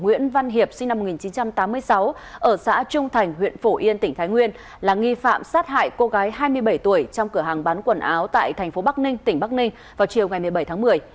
nguyễn văn hiệp sinh năm một nghìn chín trăm tám mươi sáu ở xã trung thành huyện phổ yên tỉnh thái nguyên là nghi phạm sát hại cô gái hai mươi bảy tuổi trong cửa hàng bán quần áo tại thành phố bắc ninh tỉnh bắc ninh vào chiều ngày một mươi bảy tháng một mươi